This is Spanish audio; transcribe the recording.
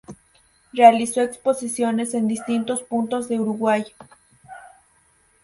Realizó exposiciones en distintos puntos de Uruguay.